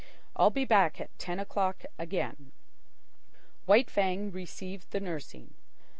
I'll be back at ten o'clock again." White Fang received the nursing.